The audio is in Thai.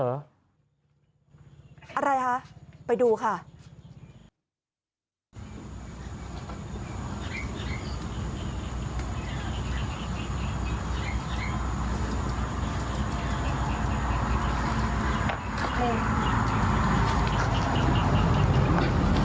อะไรคะไปดูค่ะ